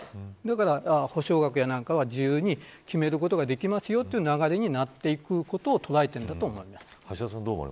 だから補償額やなんかは自由に決めることができますよという流れになっていくことを捉えているんだと思います。